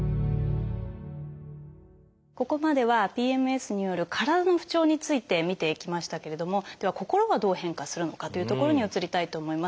ここまではＰＭＳによる体の不調について見ていきましたけれどもでは心はどう変化するのかというところに移りたいと思います。